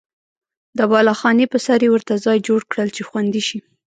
د بالاخانې په سر یې ورته ځای جوړ کړل چې خوندي شي.